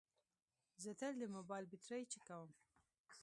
زه تل د موبایل بیټرۍ چیکوم.